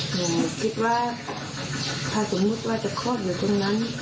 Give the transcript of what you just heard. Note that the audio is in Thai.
หนูคิดว่าถ้าสมมุติว่าจะคลอดอยู่ตรงนั้น